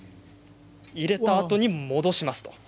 入れたあとに戻します。